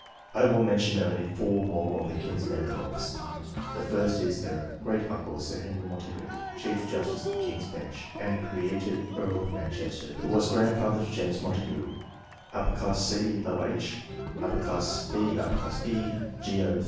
I will mention only four more of the kinsmen of the Norths. The first is their great uncle, Sir Henry Montagu, Chief Justice of the King's Bench, and created Earl of Manchester, who was grandfather to James Montagu, Ch. B.E. (Geo.